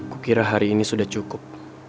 kukira hari ini sudah cukup